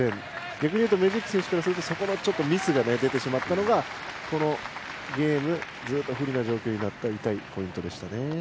逆にメジーク選手からすると少しミスが出たのがこのゲームでずっと不利な状況になった痛いポイントでしたね。